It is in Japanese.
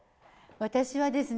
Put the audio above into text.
私はですね